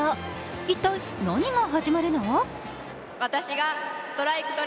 一体、何が始まるの？